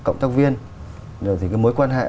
cộng tác viên rồi thì cái mối quan hệ